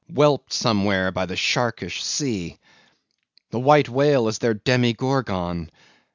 Whelped somewhere by the sharkish sea. The white whale is their demigorgon.